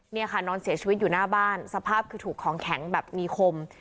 เนี่ยค่ะนอนเสียชีวิตอยู่หน้าบ้านสภาพคือถูกของแข็งแบบมีคม